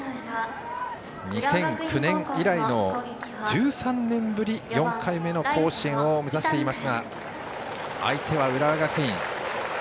２００９年以来の１３年ぶり４回目の甲子園を目指していますが相手は浦和学院。